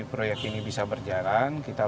proyek ini bisa berjalan kita